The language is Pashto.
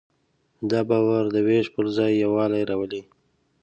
دا باور د وېش پر ځای یووالی راولي.